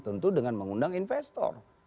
tentu dengan mengundang investor